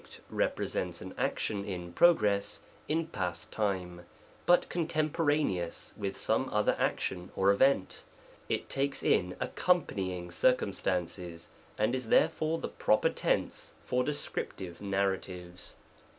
represents an action in progress in past time, but contemporaneous with some other action or event. It takes in accompanying circumstances, and is therefore the proper tense for descriptive narratives.